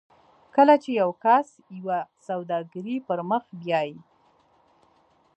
کله چې یو کس یوه سوداګري پر مخ بیایي